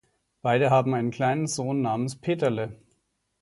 Beide haben einen kleinen Sohn namens Peterle.